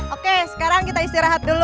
oke sekarang kita istirahat dulu